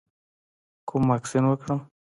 کوم واکسین وکړم؟